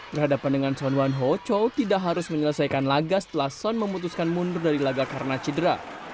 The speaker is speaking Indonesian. berhadapan dengan son wan ho chou tidak harus menyelesaikan laga setelah son memutuskan mundur dari laga karena cedera